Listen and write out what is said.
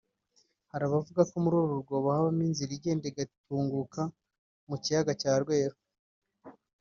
Hari abavuga ko muri uru rwobo habagamo inzira yagendaga igatunguka mu kiyaga cya Rweru